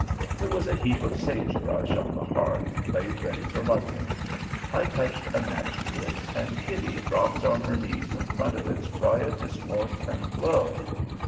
There was a heap of sage brush on the hearth laid ready for lighting. I touched a match to it, and Kitty dropped on her knees in front of its riotous warmth and glow.